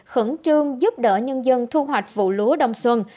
khẩn trương giúp đỡ nhân dân thu hoạch vụ lúa đông xuân